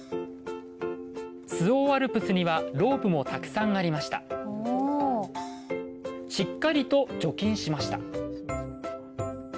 周防アルプスにはロープもたくさんありましたおしっかりと除菌しました